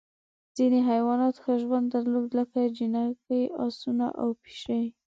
ځینې حیوانات ښه ژوند درلود لکه جنګي اسونه او پشۍ.